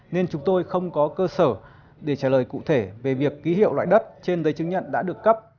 nên chúng tôi không có cơ sở để trả lời cụ thể về việc ký hiệu loại đất trên giấy chứng nhận đã được cấp